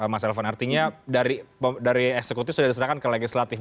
mas elvan artinya dari eksekutif sudah diserahkan ke legislatif